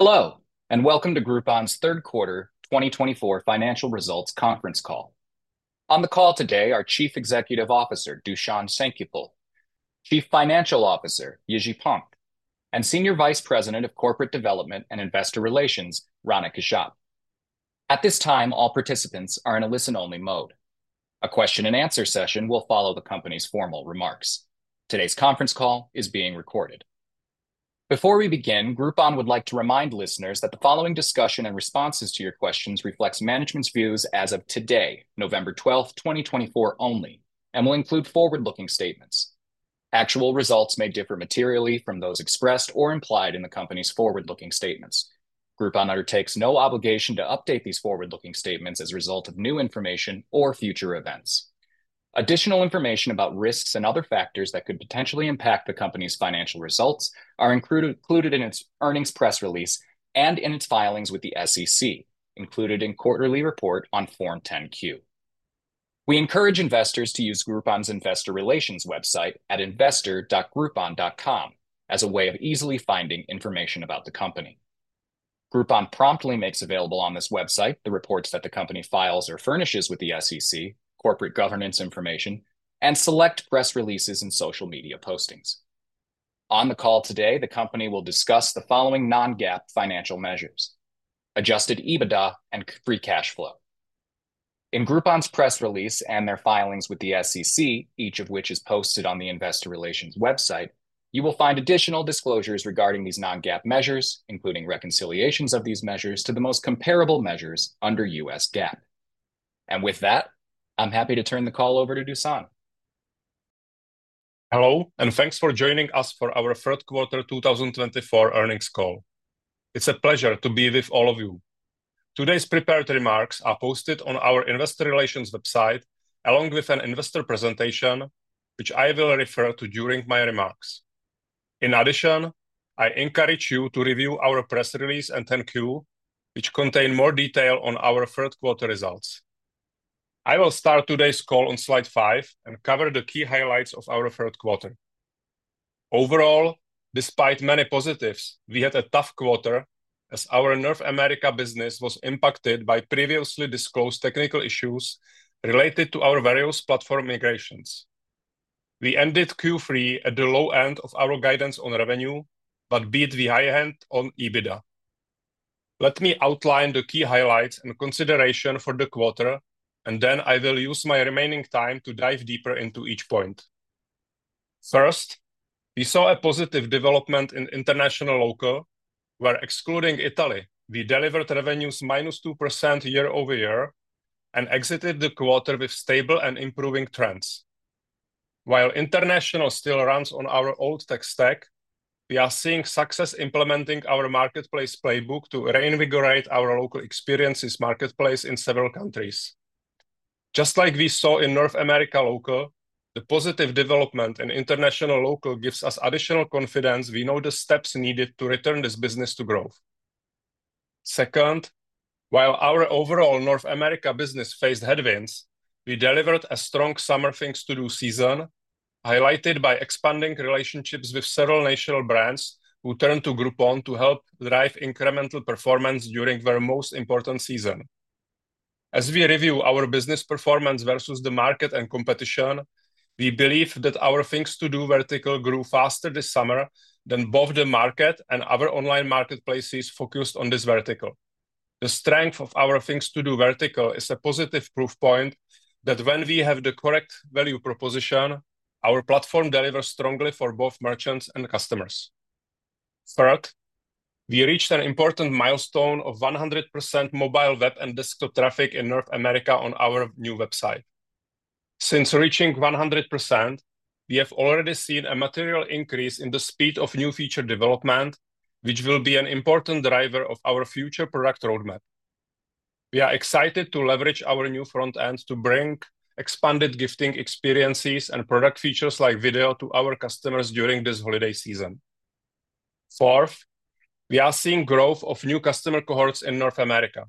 Hello, and welcome to Groupon's Third Quarter 2024 Financial Results Conference Call. On the call today are Chief Executive Officer Dusan Senkypl, Chief Financial Officer Jiri Ponrt, and Senior Vice President of Corporate Development and Investor Relations Rana Kashyap. At this time, all participants are in a listen-only mode. A question-and-answer session will follow the company's formal remarks. Today's conference call is being recorded. Before we begin, Groupon would like to remind listeners that the following discussion and responses to your questions reflect management's views as of today, November 12, 2024, only, and will include forward-looking statements. Actual results may differ materially from those expressed or implied in the company's forward-looking statements. Groupon undertakes no obligation to update these forward-looking statements as a result of new information or future events. Additional information about risks and other factors that could potentially impact the company's financial results is included in its earnings press release and in its filings with the SEC, included in Quarterly Report on Form 10-Q. We encourage investors to use Groupon's Investor Relations website at investor.groupon.com as a way of easily finding information about the company. Groupon promptly makes available on this website the reports that the company files or furnishes with the SEC, corporate governance information, and select press releases and social media postings. On the call today, the company will discuss the following non-GAAP financial measures: Adjusted EBITDA and free cash flow. In Groupon's press release and their filings with the SEC, each of which is posted on the Investor Relations website, you will find additional disclosures regarding these non-GAAP measures, including reconciliations of these measures to the most comparable measures under U.S. GAAP. With that, I'm happy to turn the call over to Dusan. Hello, and thanks for joining us for our third quarter 2024 earnings call. It's a pleasure to be with all of you. Today's prepared remarks are posted on our Investor Relations website, along with an investor presentation, which I will refer to during my remarks. In addition, I encourage you to review our press release and 10-Q, which contain more detail on our third quarter results. I will start today's call on slide 5 and cover the key highlights of our third quarter. Overall, despite many positives, we had a tough quarter as our North America business was impacted by previously disclosed technical issues related to our various platform migrations. We ended Q3 at the low end of our guidance on revenue, but beat the high end on EBITDA. Let me outline the key highlights and considerations for the quarter, and then I will use my remaining time to dive deeper into each point. First, we saw a positive development in International Local, where excluding Italy, we delivered revenues -2% year-over-year and exited the quarter with stable and improving trends. While international still runs on our old tech stack, we are seeing success implementing our marketplace playbook to reinvigorate our local experiences marketplace in several countries. Just like we saw in North America Local, the positive development in International Local gives us additional confidence we know the steps needed to return this business to growth. Second, while our overall North America business faced headwinds, we delivered a strong summer Things To Do season, highlighted by expanding relationships with several national brands who turned to Groupon to help drive incremental performance during their most important season. As we review our business performance versus the market and competition, we believe that our Things To Do vertical grew faster this summer than both the market and other online marketplaces focused on this vertical. The strength of our Things To Do vertical is a positive proof point that when we have the correct value proposition, our platform delivers strongly for both merchants and customers. Third, we reached an important milestone of 100% mobile web and desktop traffic in North America on our new website. Since reaching 100%, we have already seen a material increase in the speed of new feature development, which will be an important driver of our future product roadmap. We are excited to leverage our new front end to bring expanded gifting experiences and product features like video to our customers during this holiday season. Fourth, we are seeing growth of new customer cohorts in North America.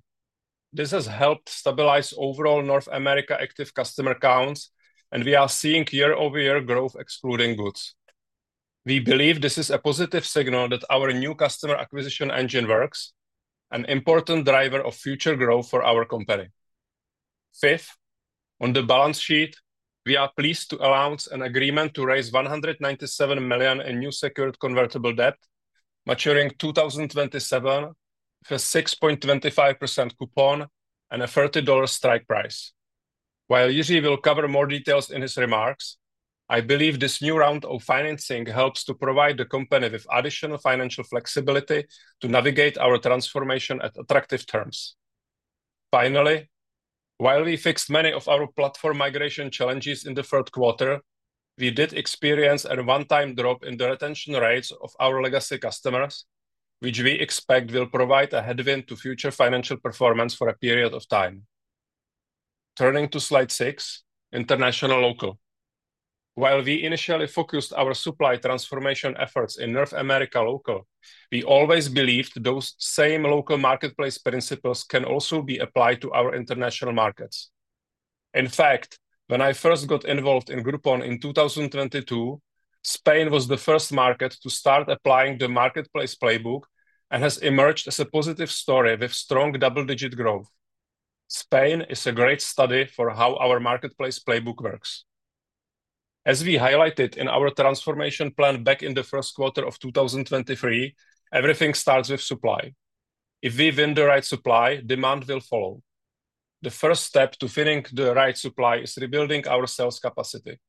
This has helped stabilize overall North America active customer counts, and we are seeing year-over-year growth excluding Goods. We believe this is a positive signal that our new customer acquisition engine works, an important driver of future growth for our company. Fifth, on the balance sheet, we are pleased to announce an agreement to raise $197 million in new secured convertible debt, maturing 2027 with a 6.25% coupon and a $30 strike price. While Jiri will cover more details in his remarks, I believe this new round of financing helps to provide the company with additional financial flexibility to navigate our transformation at attractive terms. Finally, while we fixed many of our platform migration challenges in the third quarter, we did experience a one-time drop in the retention rates of our legacy customers, which we expect will provide a headwind to future financial performance for a period of time. Turning to slide 6, International Local. While we initially focused our supply transformation efforts in North America Local, we always believed those same local marketplace principles can also be applied to our international markets. In fact, when I first got involved in Groupon in 2022, Spain was the first market to start applying the marketplace playbook and has emerged as a positive story with strong double-digit growth. Spain is a great study for how our marketplace playbook works. As we highlighted in our transformation plan back in the first quarter of 2023, everything starts with supply. If we win the right supply, demand will follow. The first step to winning the right supply is rebuilding our sales capacity.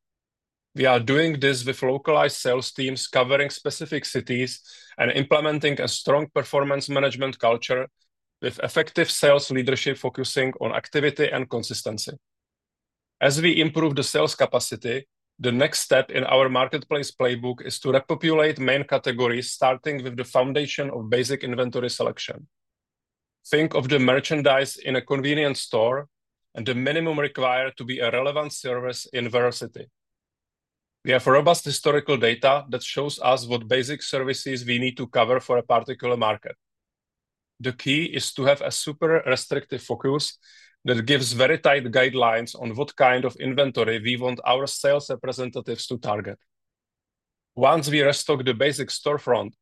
We are doing this with localized sales teams covering specific cities and implementing a strong performance management culture with effective sales leadership focusing on activity and consistency. As we improve the sales capacity, the next step in our marketplace playbook is to repopulate main categories starting with the foundation of basic inventory selection. Think of the merchandise in a convenience store and the minimum required to be a relevant service in various cities. We have robust historical data that shows us what basic services we need to cover for a particular market. The key is to have a super restrictive focus that gives very tight guidelines on what kind of inventory we want our sales representatives to target. Once we restock the basic storefront,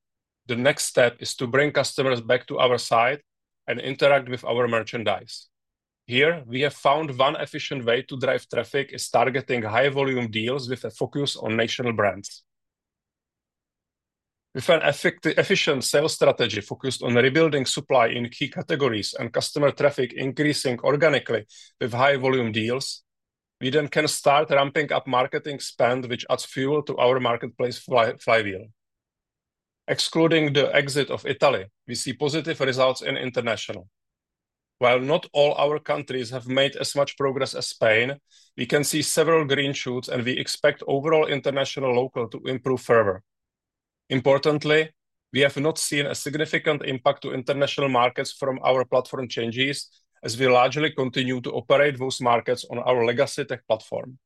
the next step is to bring customers back to our site and interact with our merchandise. Here, we have found one efficient way to drive traffic is targeting high-volume deals with a focus on national brands. With an efficient sales strategy focused on rebuilding supply in key categories and customer traffic increasing organically with high-volume deals, we then can start ramping up marketing spend, which adds fuel to our marketplace flywheel. Excluding the exit of Italy, we see positive results in international. While not all our countries have made as much progress as Spain, we can see several green shoots, and we expect overall International Local to improve further. Importantly, we have not seen a significant impact to international markets from our platform changes as we largely continue to operate those markets on our legacy tech platform.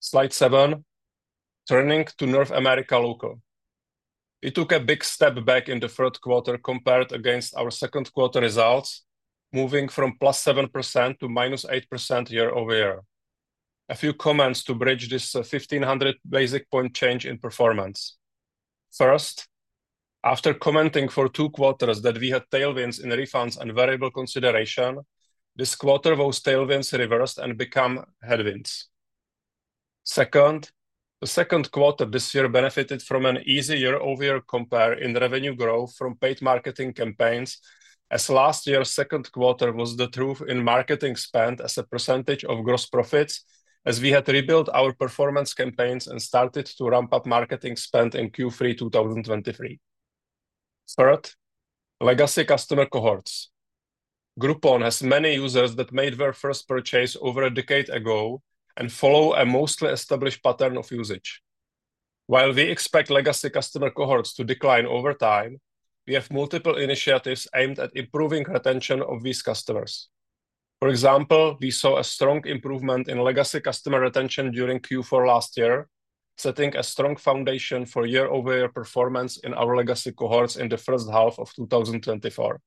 Slide 7, turning to North America Local. We took a big step back in the Third Quarter compared against our Second Quarter results, moving from +7% to -8% year-over-year. A few comments to bridge this 1,500 basis points change in performance. First, after commenting for two quarters that we had tailwinds in refunds and variable consideration, this quarter those tailwinds reversed and became headwinds. Second, the second quarter this year benefited from an easy year-over-year comparison in revenue growth from paid marketing campaigns, as last year's second quarter was the trough in marketing spend as a percentage of gross profits as we had rebuilt our performance campaigns and started to ramp up marketing spend in Q3 2023. Third, legacy customer cohorts. Groupon has many users that made their first purchase over a decade ago and follow a mostly established pattern of usage. While we expect legacy customer cohorts to decline over time, we have multiple initiatives aimed at improving retention of these customers. For example, we saw a strong improvement in legacy customer retention during Q4 last year, setting a strong foundation for year-over-year performance in our legacy cohorts in the first half of 2024.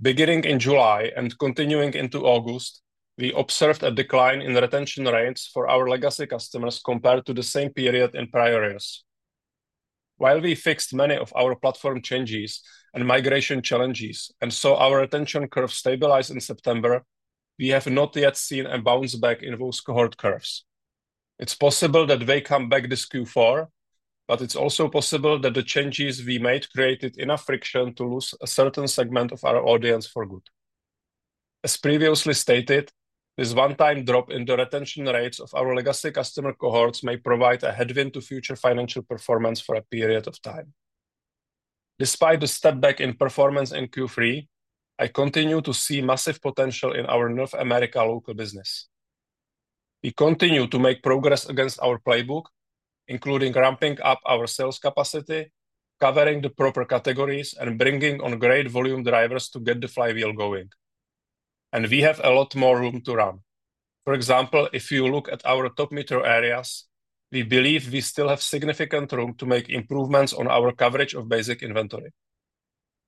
Beginning in July and continuing into August, we observed a decline in retention rates for our legacy customers compared to the same period in prior years. While we fixed many of our platform changes and migration challenges and saw our retention curve stabilize in September, we have not yet seen a bounce back in those cohort curves. It's possible that they come back this Q4, but it's also possible that the changes we made created enough friction to lose a certain segment of our audience for good. As previously stated, this one-time drop in the retention rates of our legacy customer cohorts may provide a headwind to future financial performance for a period of time. Despite the step back in performance in Q3, I continue to see massive potential in our North America Local business. We continue to make progress against our playbook, including ramping up our sales capacity, covering the proper categories, and bringing on great volume drivers to get the flywheel going. And we have a lot more room to run. For example, if you look at our top metro areas, we believe we still have significant room to make improvements on our coverage of basic inventory.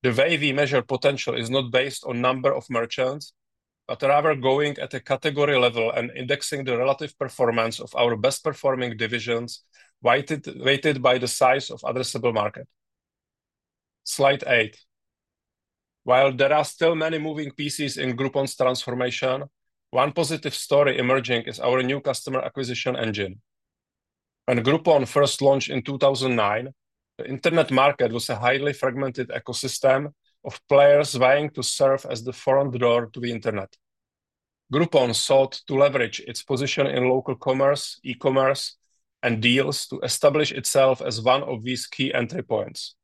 The way we measure potential is not based on the number of merchants, but rather going at a category level and indexing the relative performance of our best-performing divisions weighted by the size of the addressable market. Slide 8. While there are still many moving pieces in Groupon's transformation, one positive story emerging is our new customer acquisition engine. When Groupon first launched in 2009, the internet market was a highly fragmented ecosystem of players vying to serve as the front door to the internet. Groupon sought to leverage its position in local commerce, e-commerce, and deals to establish itself as one of these key entry points.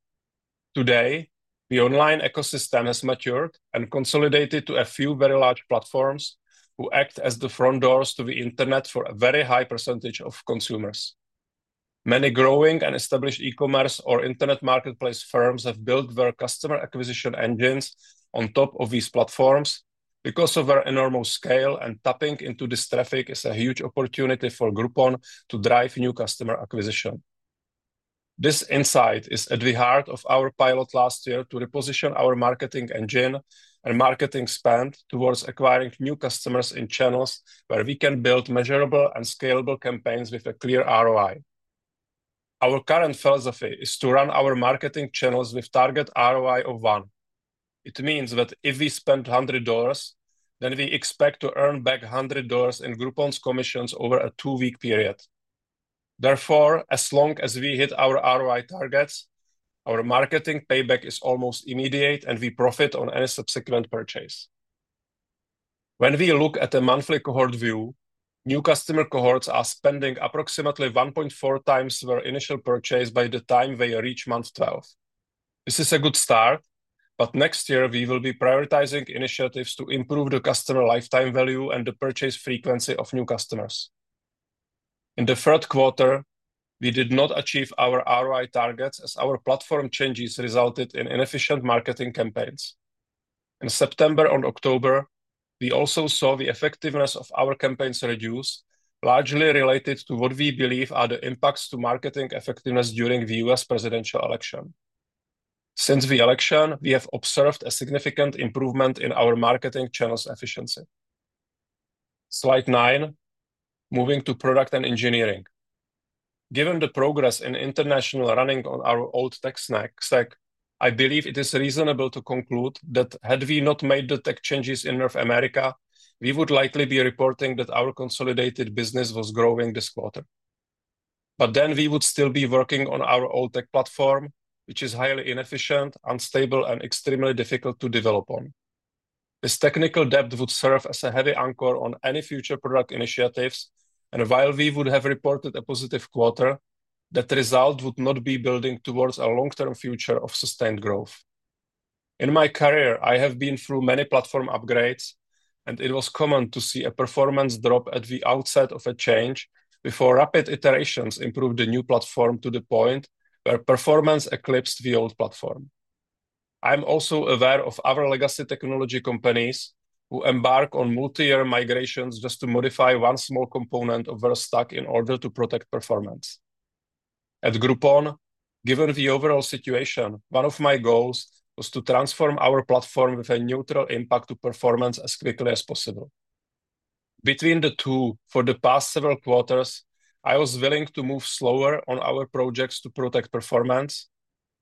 Today, the online ecosystem has matured and consolidated to a few very large platforms who act as the front doors to the internet for a very high percentage of consumers. Many growing and established e-commerce or internet marketplace firms have built their customer acquisition engines on top of these platforms because of their enormous scale, and tapping into this traffic is a huge opportunity for Groupon to drive new customer acquisition. This insight is at the heart of our pilot last year to reposition our marketing engine and marketing spend towards acquiring new customers in channels where we can build measurable and scalable campaigns with a clear ROI. Our current philosophy is to run our marketing channels with a target ROI of one. It means that if we spend $100, then we expect to earn back $100 in Groupon's commissions over a two-week period. Therefore, as long as we hit our ROI targets, our marketing payback is almost immediate, and we profit on any subsequent purchase. When we look at the monthly cohort view, new customer cohorts are spending approximately 1.4x their initial purchase by the time they reach month 12. This is a good start, but next year we will be prioritizing initiatives to improve the customer lifetime value and the purchase frequency of new customers. In the third quarter, we did not achieve our ROI targets as our platform changes resulted in inefficient marketing campaigns. In September and October, we also saw the effectiveness of our campaigns reduce, largely related to what we believe are the impacts to marketing effectiveness during the U.S. presidential election. Since the election, we have observed a significant improvement in our marketing channels' efficiency. Slide 9, moving to product and engineering. Given the progress in international running on our old tech stack, I believe it is reasonable to conclude that had we not made the tech changes in North America, we would likely be reporting that our consolidated business was growing this quarter. But then we would still be working on our old tech platform, which is highly inefficient, unstable, and extremely difficult to develop on. This technical debt would serve as a heavy anchor on any future product initiatives, and while we would have reported a positive quarter, that result would not be building towards a long-term future of sustained growth. In my career, I have been through many platform upgrades, and it was common to see a performance drop at the outset of a change before rapid iterations improved the new platform to the point where performance eclipsed the old platform. I am also aware of other legacy technology companies who embark on multi-year migrations just to modify one small component of their stack in order to protect performance. At Groupon, given the overall situation, one of my goals was to transform our platform with a neutral impact to performance as quickly as possible. Between the two, for the past several quarters, I was willing to move slower on our projects to protect performance,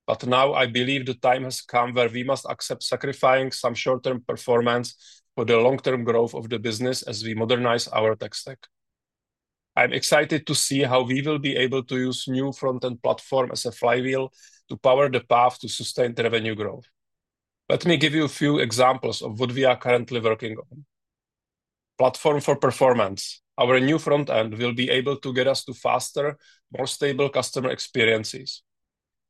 but now I believe the time has come where we must accept sacrificing some short-term performance for the long-term growth of the business as we modernize our tech stack. I am excited to see how we will be able to use the new front-end platform as a flywheel to power the path to sustained revenue growth. Let me give you a few examples of what we are currently working on: Platform for performance, our new front-end will be able to get us to faster, more stable customer experiences.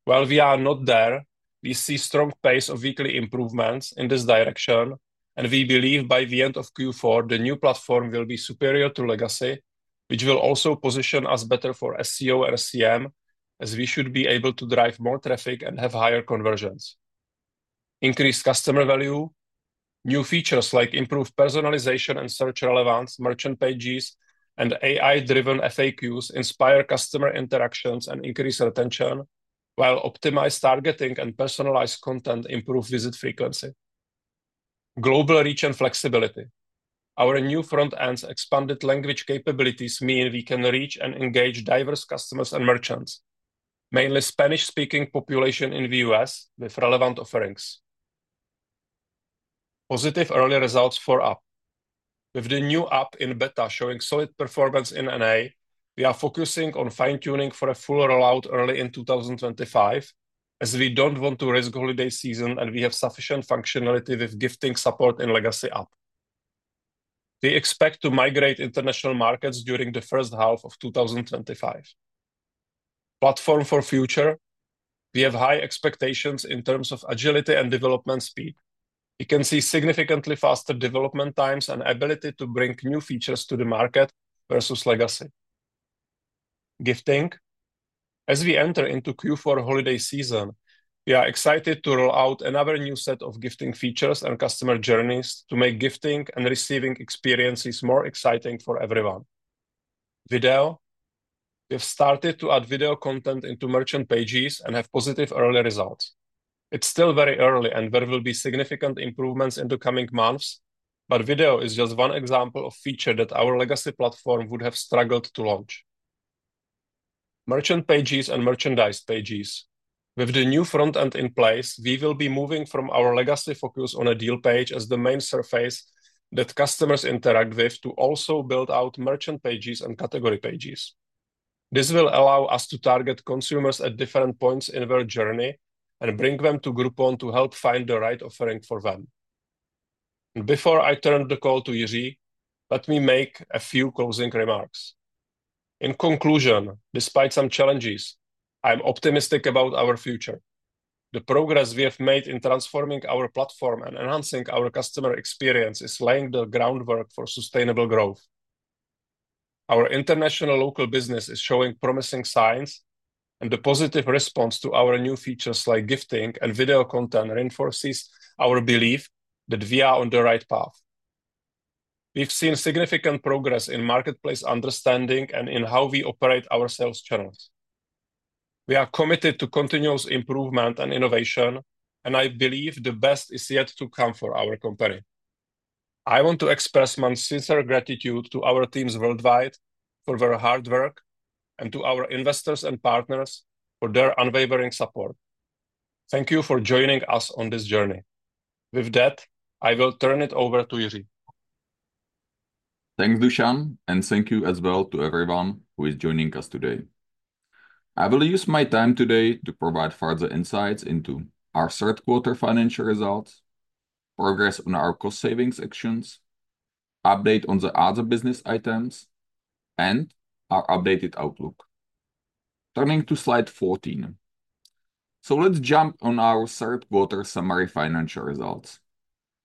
While we are not there, we see a strong pace of weekly improvements in this direction, and we believe by the end of Q4 the new platform will be superior to legacy, which will also position us better for SEO and SEM, as we should be able to drive more traffic and have higher conversions. Increased customer value, new features like improved personalization and search relevance, merchant pages, and AI-driven FAQs inspire customer interactions and increase retention, while optimized targeting and personalized content improve visit frequency. Global reach and flexibility. Our new front-end's expanded language capabilities mean we can reach and engage diverse customers and merchants, mainly Spanish-speaking population in the U.S., with relevant offerings. Positive early results for app. With the new app in beta showing solid performance in NA, we are focusing on fine-tuning for a full rollout early in 2025, as we don't want to risk holiday season and we have sufficient functionality with gifting support in legacy app. We expect to migrate international markets during the first half of 2025. Platform for future, we have high expectations in terms of agility and development speed. We can see significantly faster development times and ability to bring new features to the market versus legacy. Gifting, as we enter into Q4 holiday season, we are excited to roll out another new set of gifting features and customer journeys to make gifting and receiving experiences more exciting for everyone. Video, we have started to add video content into merchant pages and have positive early results. It's still very early and there will be significant improvements in the coming months, but video is just one example of a feature that our legacy platform would have struggled to launch. Merchant pages and merchandise pages. With the new front-end in place, we will be moving from our legacy focus on a deal page as the main surface that customers interact with to also build out merchant pages and category pages. This will allow us to target consumers at different points in their journey and bring them to Groupon to help find the right offering for them. And before I turn the call to Jiri, let me make a few closing remarks. In conclusion, despite some challenges, I am optimistic about our future. The progress we have made in transforming our platform and enhancing our customer experience is laying the groundwork for sustainable growth. Our International Local business is showing promising signs, and the positive response to our new features like gifting and video content reinforces our belief that we are on the right path. We've seen significant progress in marketplace understanding and in how we operate our sales channels. We are committed to continuous improvement and innovation, and I believe the best is yet to come for our company. I want to express my sincere gratitude to our teams worldwide for their hard work and to our investors and partners for their unwavering support. Thank you for joining us on this journey. With that, I will turn it over to Jiri. Thanks, Dusan, and thank you as well to everyone who is joining us today. I will use my time today to provide further insights into our third quarter financial results, progress on our cost savings actions, update on the other business items, and our updated outlook. Turning to Slide 14. So let's jump on our third quarter summary financial results.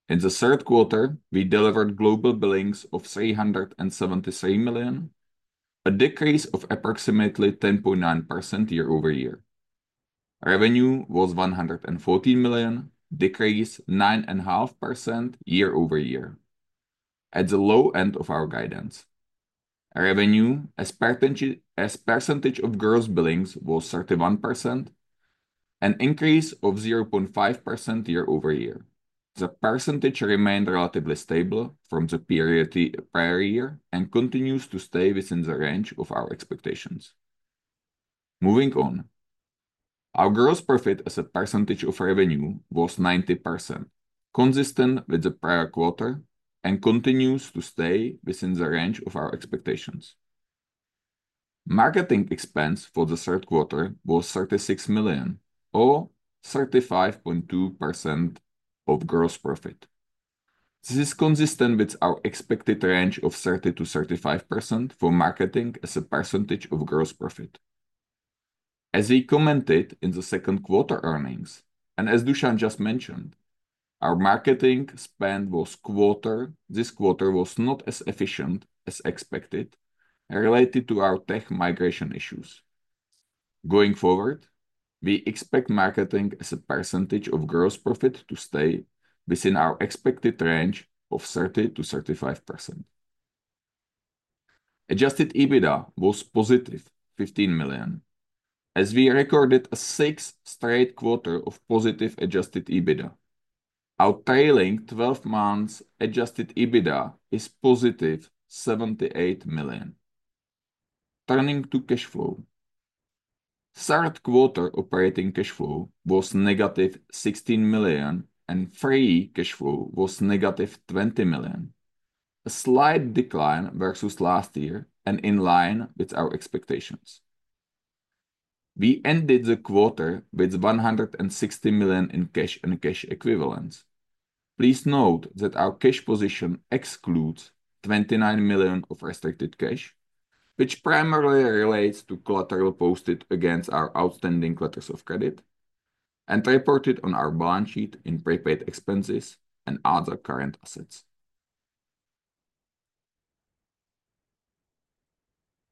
In the third quarter, we delivered gross billings of $373 million, a decrease of approximately 10.9% year-over-year. Revenue was $114 million, a decrease of 9.5% year-over-year, at the low end of our guidance. Revenue, as percentage of gross billings, was 31%, an increase of 0.5% year-over-year. The percentage remained relatively stable from the period prior year and continues to stay within the range of our expectations. Moving on, our gross profit as a percentage of revenue was 90%, consistent with the prior quarter and continues to stay within the range of our expectations. Marketing expense for the Third Quarter was $36 million, or 35.2% of gross profit. This is consistent with our expected range of 30%-35% for marketing as a percentage of gross profit. As we commented in the second quarter earnings, and as Dusan just mentioned, our marketing spend this quarter was not as efficient as expected related to our tech migration issues. Going forward, we expect marketing as a percentage of gross profit to stay within our expected range of 30%-35%. Adjusted EBITDA was positive $15 million, as we recorded a sixth straight quarter of positive Adjusted EBITDA. Our trailing 12 months Adjusted EBITDA is positive $78 million. Turning to cash flow, Third Quarter operating cash flow was negative $16 million, and free cash flow was negative $20 million, a slight decline versus last year and in line with our expectations. We ended the quarter with $160 million in cash and cash equivalents. Please note that our cash position excludes $29 million of restricted cash, which primarily relates to collateral posted against our outstanding letters of credit and reported on our balance sheet in prepaid expenses and other current assets.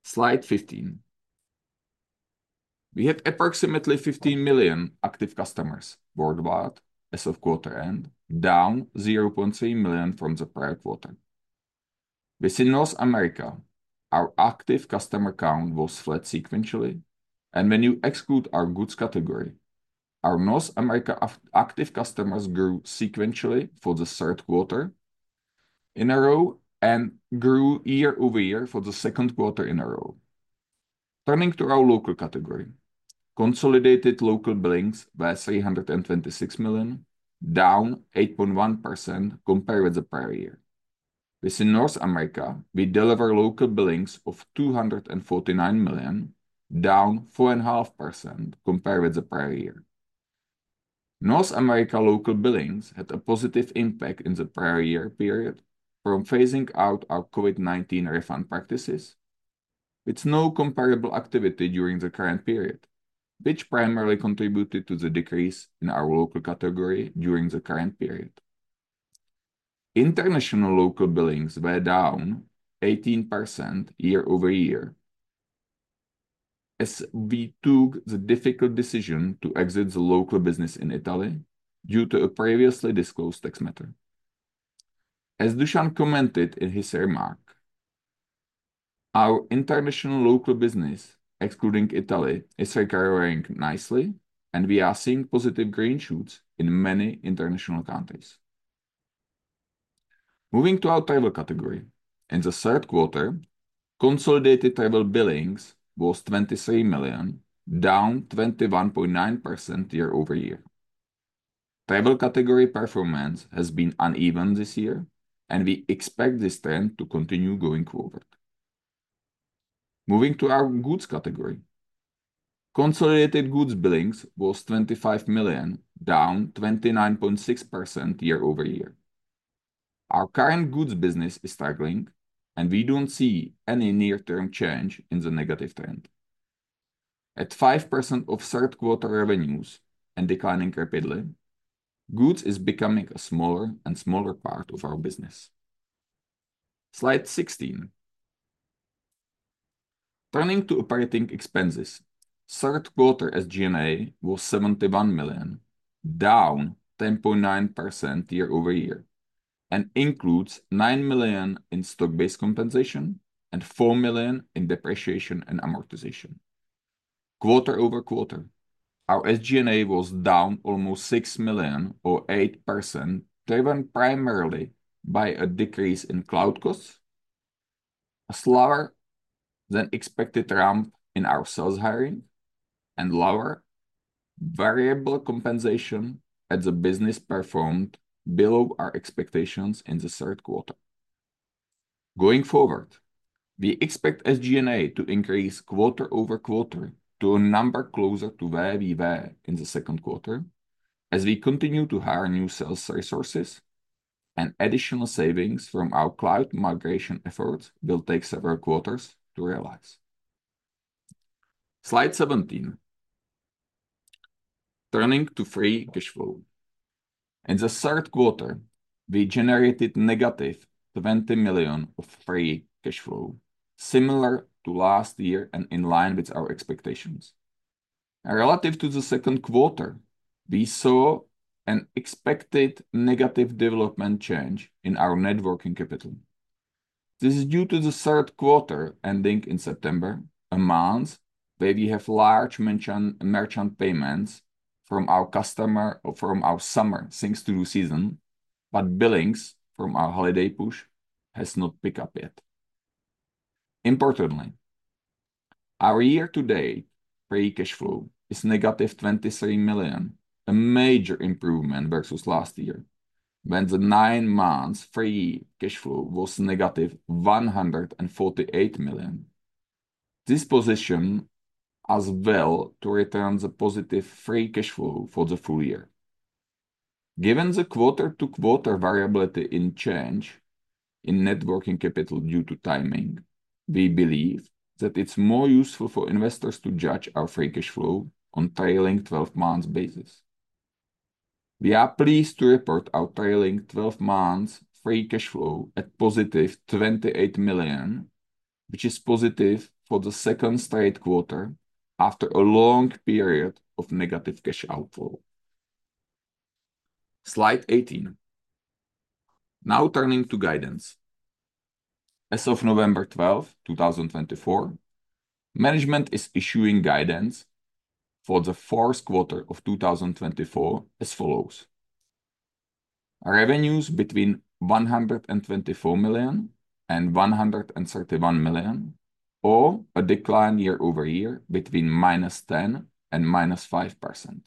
Slide 15. We had approximately 15 million active customers worldwide as of quarter end, down 0.3 million from the prior quarter. Within North America, our active customer count was flat sequentially, and when you exclude our Goods category, our North America active customers grew sequentially for the third quarter in a row and grew year-over-year for the second quarter in a row. Turning to our Local category, consolidated Local billings were $326 million, down 8.1% compared with the prior year. Within North America, we delivered Local billings of $249 million, down 4.5% compared with the prior year. North America Local billings had a positive impact in the prior year period from phasing out our COVID-19 refund practices, with no comparable activity during the current period, which primarily contributed to the decrease in our Local category during the current period. International Local billings were down 18% year-over-year as we took the difficult decision to exit the local business in Italy due to a previously disclosed tax matter. As Dusan commented in his remark, our International Local business, excluding Italy, is recovering nicely, and we are seeing positive green shoots in many international countries. Moving to our Travel category, in the Third Quarter, consolidated Travel billings was $23 million, down 21.9% year-over-year. Travel category performance has been uneven this year, and we expect this trend to continue going forward. Moving to our Goods category, consolidated Goods billings was $25 million, down 29.6% year-over-year. Our current goods business is struggling, and we don't see any near-term change in the negative trend. At 5% of third quarter revenues and declining rapidly, goods is becoming a smaller and smaller part of our business. Slide 16. Turning to operating expenses, third quarter SG&A was $71 million, down 10.9% year-over-year, and includes $9 million in stock-based compensation and $4 million in depreciation and amortization. Quarter over quarter, our SG&A was down almost $6 million or 8%, driven primarily by a decrease in cloud costs, a slower than expected ramp in our sales hiring, and lower variable compensation as the business performed below our expectations in the third quarter. Going forward, we expect SG&A to increase quarter over quarter to a number closer to where we were in the second quarter, as we continue to hire new sales resources, and additional savings from our cloud migration efforts will take several quarters to realize. Slide 17. Turning to free cash flow. In the third quarter, we generated negative $20 million of free cash flow, similar to last year and in line with our expectations. Relative to the second quarter, we saw an expected negative development change in our net working capital. This is due to the third quarter ending in September, a month where we have large merchant payments from our customer or from our summer Things To Do season, but billings from our holiday push has not picked up yet. Importantly, our year-to-date free cash flow is negative $23 million, a major improvement versus last year, when the nine months free cash flow was negative $148 million. This position is well to return the positive free cash flow for the full year. Given the quarter-to-quarter variability in change in net working capital due to timing, we believe that it's more useful for investors to judge our free cash flow on a trailing 12-month basis. We are pleased to report our trailing 12-month free cash flow at positive $28 million, which is positive for the second straight quarter after a long period of negative cash outflow. Slide 18. Now turning to guidance. As of November 12, 2024, management is issuing guidance for the Fourth Quarter of 2024 as follows: revenues between $124 million and $131 million, or a decline year-over-year between -10% and -5%.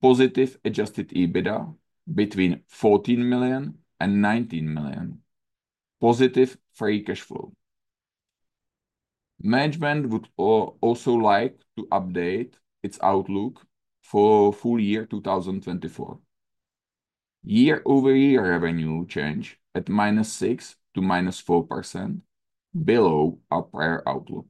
Positive Adjusted EBITDA between $14 million and $19 million. Positive free cash flow. Management would also like to update its outlook for full year 2024: year-over-year revenue change at -6% to -4%, below our prior outlook.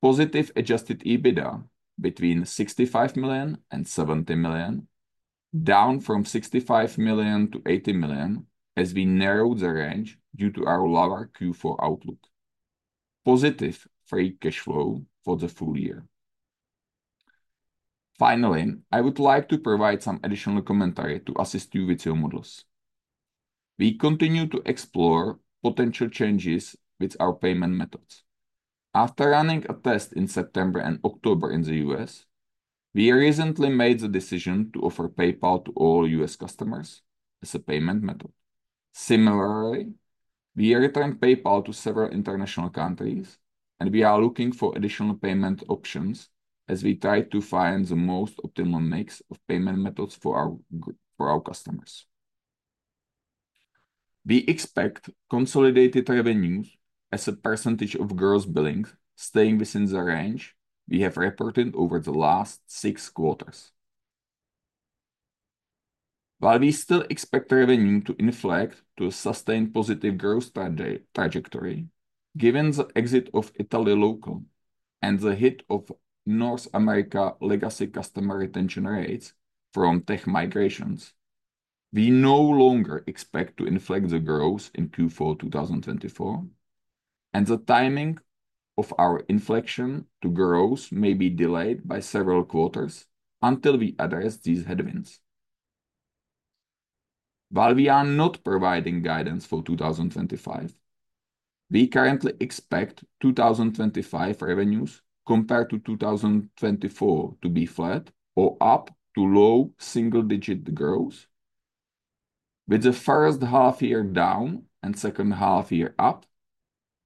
Positive Adjusted EBITDA between $65 million and $70 million, down from $65 million to $80 million as we narrowed the range due to our lower Q4 outlook. Positive free cash flow for the full year. Finally, I would like to provide some additional commentary to assist you with your models. We continue to explore potential changes with our payment methods. After running a test in September and October in the U.S., we recently made the decision to offer PayPal to all U.S. customers as a payment method. Similarly, we returned PayPal to several international countries, and we are looking for additional payment options as we try to find the most optimal mix of payment methods for our customers. We expect consolidated revenues as a percentage of gross billings staying within the range we have reported over the last six quarters. While we still expect revenue to inflect to a sustained positive growth trajectory, given the exit of Italy Local and the hit of North America legacy customer retention rates from tech migrations, we no longer expect to inflect the growth in Q4 2024, and the timing of our inflection to growth may be delayed by several quarters until we address these headwinds. While we are not providing guidance for 2025, we currently expect 2025 revenues compared to 2024 to be flat or up to low single-digit growth, with the first half year down and second half year up,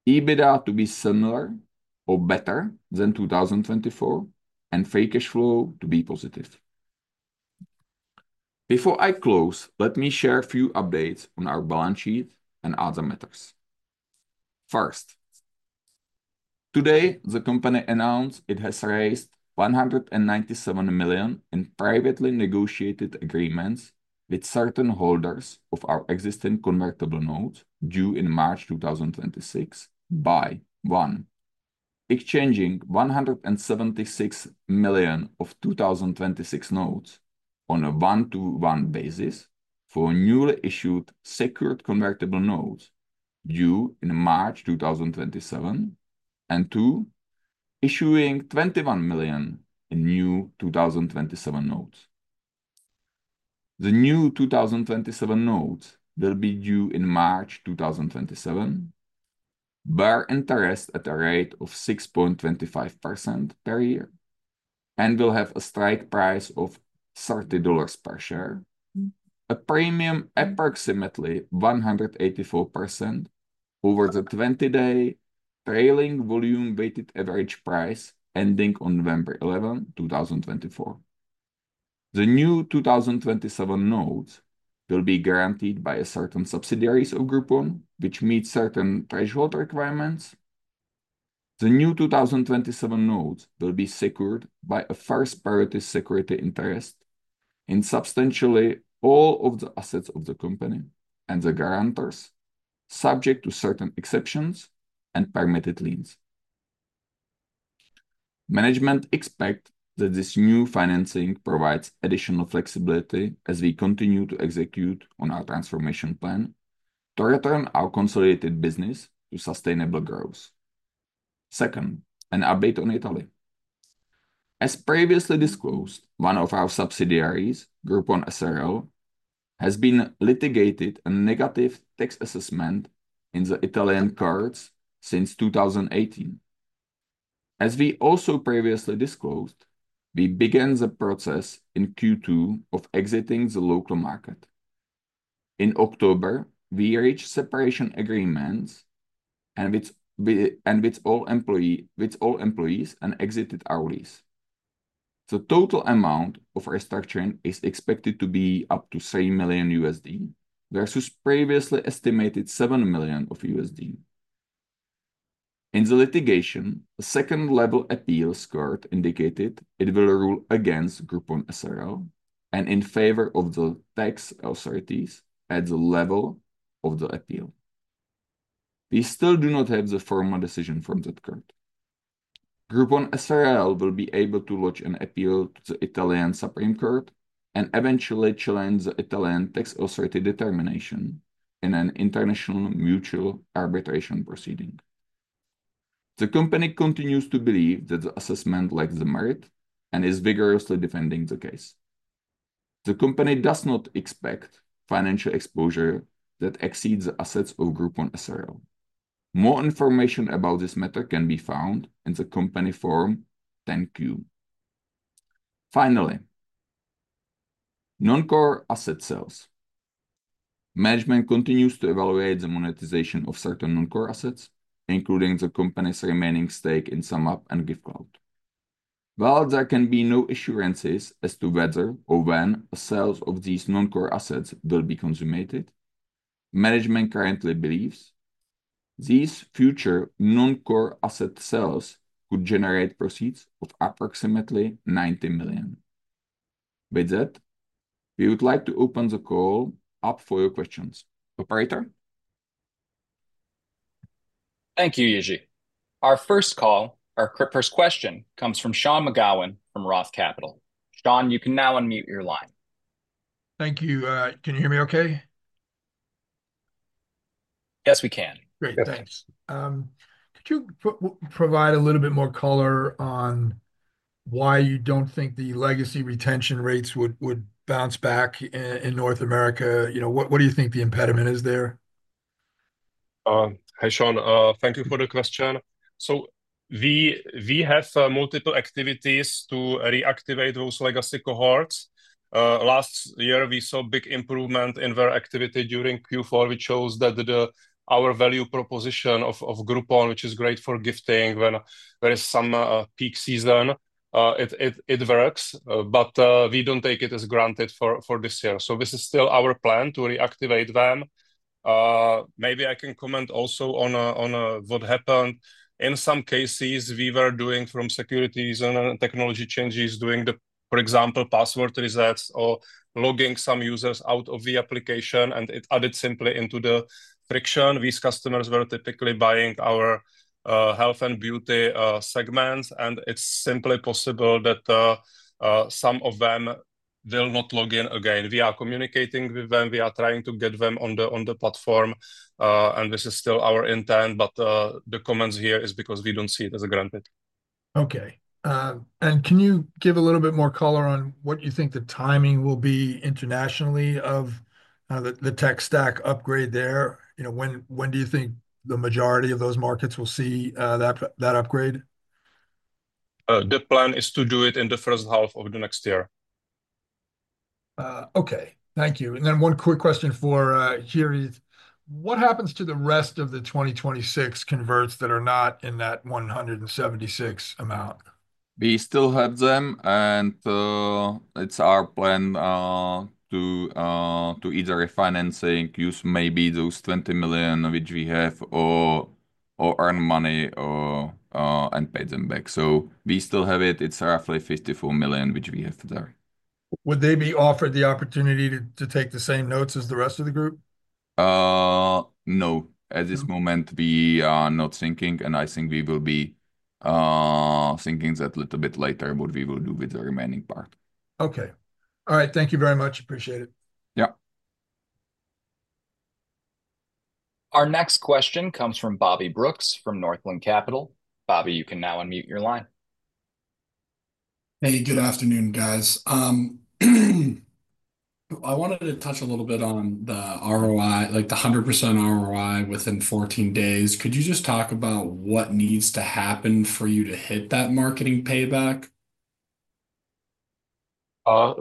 EBITDA to be similar or better than 2024, and free cash flow to be positive. Before I close, let me share a few updates on our balance sheet and other matters. First, today the company announced it has raised $197 million in privately negotiated agreements with certain holders of our existing convertible notes due in March 2026 by one, exchanging $176 million of 2026 notes on a one-to-one basis for newly issued secured convertible notes due in March 2027, and two, issuing $21 million in new 2027 notes. The new 2027 notes will be due in March 2027, bear interest at a rate of 6.25% per year, and will have a strike price of $30 per share, a premium approximately 184% over the 20-day trailing volume-weighted average price ending on November 11, 2024. The new 2027 notes will be guaranteed by certain subsidiaries of Groupon, which meet certain threshold requirements. The new 2027 notes will be secured by a first-priority security interest in substantially all of the assets of the company and the guarantors, subject to certain exceptions and permitted liens. Management expects that this new financing provides additional flexibility as we continue to execute on our transformation plan to return our consolidated business to sustainable growth. Second, an update on Italy. As previously disclosed, one of our subsidiaries, Groupon S.r.l., has been assessed a negative tax assessment in the Italian courts since 2018. As we also previously disclosed, we began the process in Q2 of exiting the local market. In October, we reached separation agreements and with all employees and exited our lease. The total amount of restructuring is expected to be up to $3 million versus previously estimated $7 million. In the litigation, a second-level appeal court indicated it will rule against Groupon S.r.l. and in favor of the tax authorities at the level of the appeal. We still do not have the formal decision from that court. Groupon S.r.l. will be able to lodge an appeal to the Italian Supreme Court and eventually challenge the Italian tax authority determination in an international mutual arbitration proceeding. The company continues to believe that the assessment lacks the merit and is vigorously defending the case. The company does not expect financial exposure that exceeds the assets of Groupon S.r.l. More information about this matter can be found in the company Form 10-Q. Finally, non-core asset sales. Management continues to evaluate the monetization of certain non-core assets, including the company's remaining stake in SumUp and Giftcloud. While there can be no assurances as to whether or when the sales of these non-core assets will be consummated, management currently believes these future non-core asset sales could generate proceeds of approximately $90 million. With that, we would like to open the call up for your questions, Operator. Thank you, Jiri. Our first call, our first question comes from Sean McGowan from Roth Capital. Sean, you can now unmute your line. Thank you. Can you hear me okay? Yes, we can. Great. Thanks. Could you provide a little bit more color on why you don't think the legacy retention rates would bounce back in North America? You know, what do you think the impediment is there? Hi, Sean. Thank you for the question. So we have multiple activities to reactivate those legacy cohorts. Last year, we saw a big improvement in their activity during Q4. We chose that our value proposition of Groupon, which is great for gifting when there is some peak season, it works, but we don't take it as granted for this year. So this is still our plan to reactivate them. Maybe I can comment also on what happened. In some cases, we were doing from security reasons and technology changes, doing the, for example, password resets or logging some users out of the application, and it added simply into the friction. These customers were typically buying our health and beauty segments, and it's simply possible that some of them will not log in again. We are communicating with them. We are trying to get them on the platform, and this is still our intent, but the comments here is because we don't see it as a given. Okay. And can you give a little bit more color on what you think the timing will be internationally of the tech stack upgrade there? You know, when do you think the majority of those markets will see that upgrade? The plan is to do it in the first half of the next year. Okay. Thank you. And then one quick question for Jiri. What happens to the rest of the 2026 converts that are not in that $176 amount? We still have them, and it's our plan to either refinance, use maybe those $20 million which we have, or earn money and pay them back. So we still have it. It's roughly $54 million which we have there. Would they be offered the opportunity to take the same notes as the rest of the group? No. At this moment, we are not thinking, and I think we will be thinking that a little bit later what we will do with the remaining part. Okay. All right. Thank you very much. Appreciate it. Yeah. Our next question comes from Bobby Brooks from Northland Capital Markets. Bobby, you can now unmute your line. Hey, good afternoon, guys. I wanted to touch a little bit on the ROI, like the 100% ROI within 14 days. Could you just talk about what needs to happen for you to hit that marketing payback?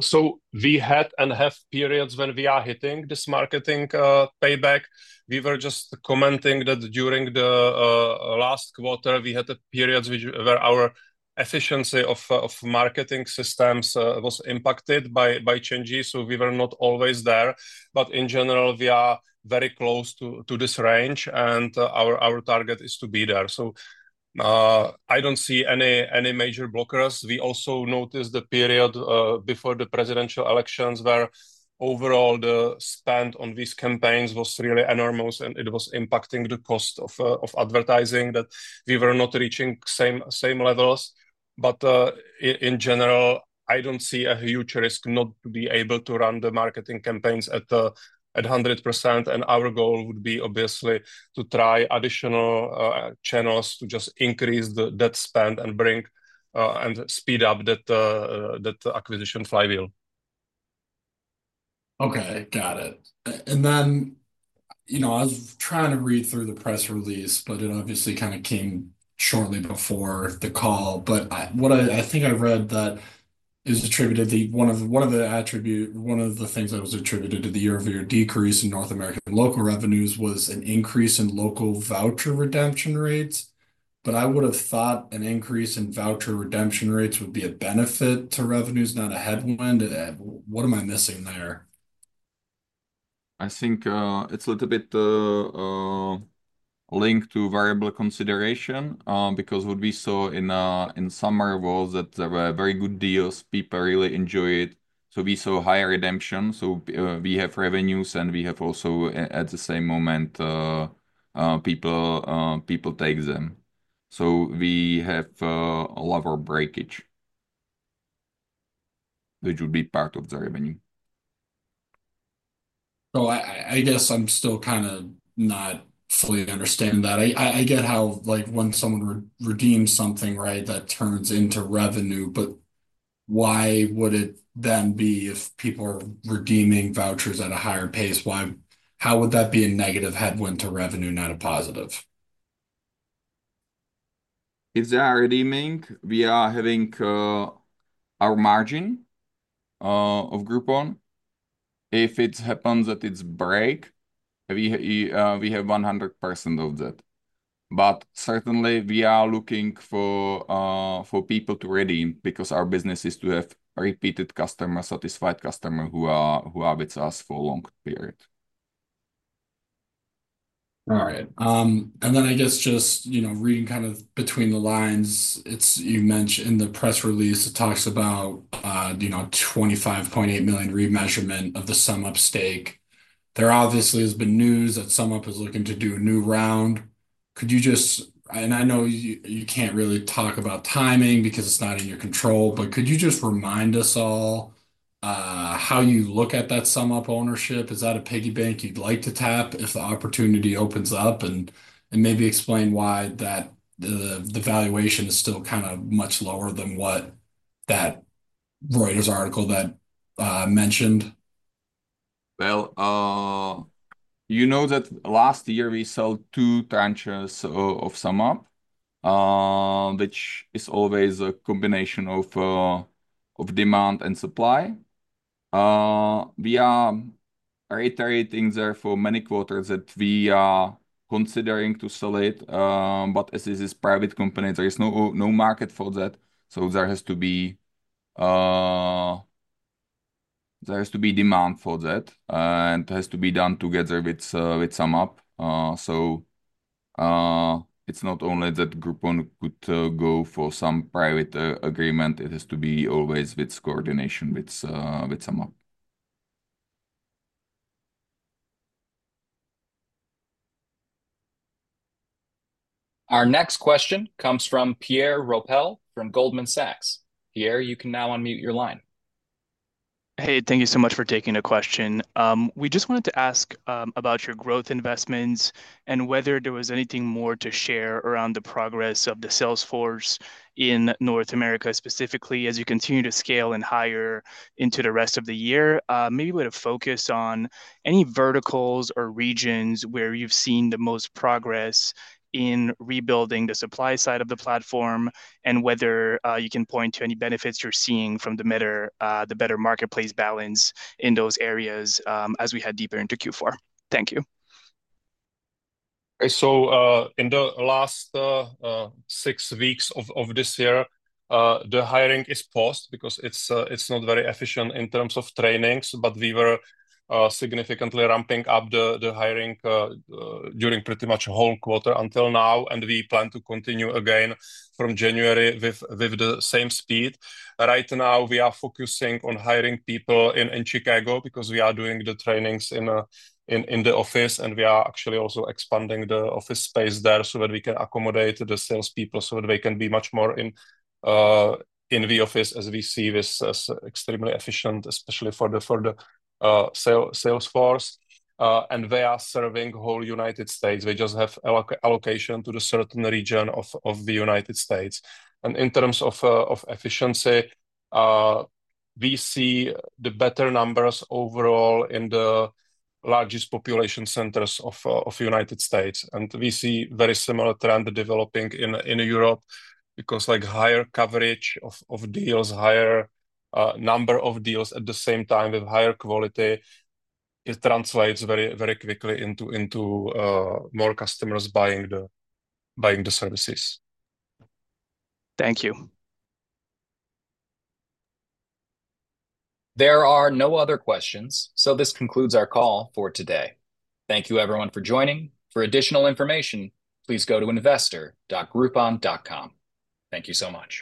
So we had and have periods when we are hitting this marketing payback. We were just commenting that during the last quarter, we had periods where our efficiency of marketing systems was impacted by changes, so we were not always there. But in general, we are very close to this range, and our target is to be there. So I don't see any major blockers. We also noticed the period before the presidential elections where overall the spend on these campaigns was really enormous, and it was impacting the cost of advertising that we were not reaching same levels. But in general, I don't see a huge risk not to be able to run the marketing campaigns at 100%. And our goal would be obviously to try additional channels to just increase the ad spend and bring and speed up that acquisition flywheel. Okay. Got it. And then, you know, I was trying to read through the press release, but it obviously kind of came shortly before the call. But what I think I read that is attributed to one of the attributes, one of the things that was attributed to the year-over-year decrease in North American local revenues was an increase in local voucher redemption rates. But I would have thought an increase in voucher redemption rates would be a benefit to revenues, not a headwind. What am I missing there? I think it's a little bit linked to variable consideration because what we saw in summer was that there were very good deals. People really enjoy it. So we saw higher redemption. So we have revenues, and we have also at the same moment people take them. So we have a lower breakage which would be part of the revenue. So I guess I'm still kind of not fully understanding that. I get how when someone redeems something, right, that turns into revenue, but why would it then be if people are redeeming vouchers at a higher pace? Why? How would that be a negative headwind to revenue, not a positive? If they are redeeming, we are having our margin of Groupon. If it happens that it's breakage, we have 100% of that. But certainly, we are looking for people to redeem because our business is to have repeated customers, satisfied customers who are with us for a long period. All right. And then I guess just, you know, reading kind of between the lines, you mentioned in the press release, it talks about, you know, $25.8 million remeasurement of the SumUp stake. There obviously has been news that SumUp is looking to do a new round. Could you just, and I know you can't really talk about timing because it's not in your control, but could you just remind us all how you look at that SumUp ownership? Is that a piggy bank you'd like to tap if the opportunity opens up? And maybe explain why that the valuation is still kind of much lower than what that Reuters article that mentioned. Well, you know that last year we sold two tranches of SumUp, which is always a combination of demand and supply. We are reiterating there for many quarters that we are considering to sell it, but as this is a private company, there is no market for that. So there has to be demand for that, and it has to be done together with SumUp. So it's not only that Groupon could go for some private agreement. It has to be always with coordination with SumUp. Our next question comes from Pierre Riopel from Goldman Sachs. Pierre, you can now unmute your line. Hey, thank you so much for taking the question. We just wanted to ask about your growth investments and whether there was anything more to share around the progress of the sales force in North America specifically as you continue to scale and hire into the rest of the year. Maybe we would have focused on any verticals or regions where you've seen the most progress in rebuilding the supply side of the platform and whether you can point to any benefits you're seeing from the better marketplace balance in those areas as we head deeper into Q4. Thank you. So in the last six weeks of this year, the hiring is paused because it's not very efficient in terms of trainings, but we were significantly ramping up the hiring during pretty much a whole quarter until now, and we plan to continue again from January with the same speed. Right now, we are focusing on hiring people in Chicago because we are doing the trainings in the office, and we are actually also expanding the office space there so that we can accommodate the salespeople so that they can be much more in the office as we see this as extremely efficient, especially for the sales force. And they are serving the whole United States. They just have allocation to the certain region of the United States. And in terms of efficiency, we see the better numbers overall in the largest population centers of the United States. We see a very similar trend developing in Europe because like higher coverage of deals, higher number of deals at the same time with higher quality translates very quickly into more customers buying the services. Thank you. There are no other questions, so this concludes our call for today. Thank you, everyone, for joining. For additional information, please go to investor.groupon.com. Thank you so much.